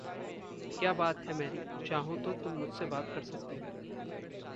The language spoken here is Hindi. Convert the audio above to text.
क्या बात है, मैरी? चाहो तो तुम मुझ से बात कर सकती हो।